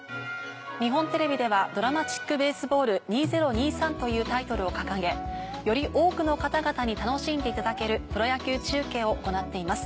日本テレビでは「ＤＲＡＭＡＴＩＣＢＡＳＥＢＡＬＬ２０２３」というタイトルを掲げより多くの方々に楽しんでいただけるプロ野球中継を行っています。